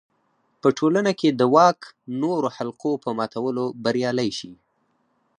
په ټولنه کې د واک نورو حلقو په ماتولو بریالی شي.